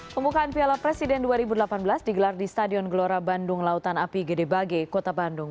pembukaan piala presiden dua ribu delapan belas digelar di stadion gelora bandung lautan api gede bage kota bandung